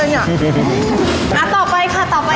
อืมเลยอ่ะรึกรึกอ่ะต่อไปค่ะต่อไปค่ะครับผมอ่า